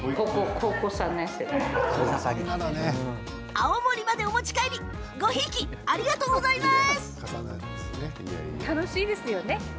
青森まで、お持ち帰りごひいきありがとうございます。